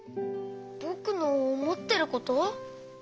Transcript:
ぼくのおもってること。